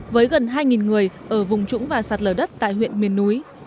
với gần hai người ở vùng trũng và sạt lở đất tại huyện miền núi